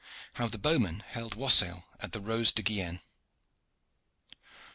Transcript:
HOW THE BOWMEN HELD WASSAIL AT THE "ROSE DE GUIENNE."